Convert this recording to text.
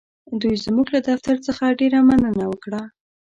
دوی زموږ له دفتر څخه ډېره مننه وکړه.